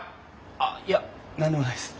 あっいや何でもないです。